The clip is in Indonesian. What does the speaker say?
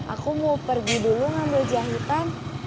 aku mau pergi dulu ngambil jahitan